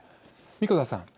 子田さん